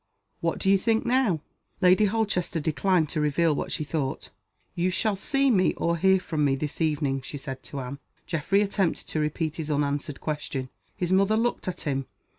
what do you think now?" Lady Holchester declined to reveal what she thought. "You shall see me, or hear from me, this evening," she said to Anne. Geoffrey attempted to repeat his unanswered question. His mother looked at him.